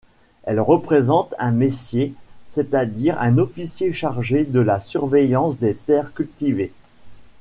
Elle représente un messier, c'est-à-dire un officier chargé de la surveillance des terres cultivées.